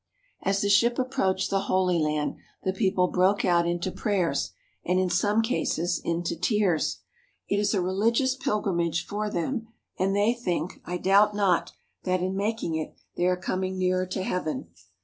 As the ship approached the Holy Land the people broke out into prayers, and in some cases into tears. It is a religious pilgrimage for them and they think, I doubt not, that in making it they are coming nearer to heaven.